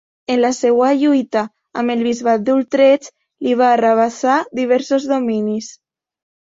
En la seva lluita amb el bisbat d'Utrecht li va arrabassar diversos dominis.